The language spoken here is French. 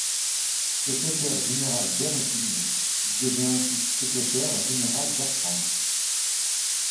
Secrétaire général d'Air Union, il devient ensuite secrétaire général d'Air France.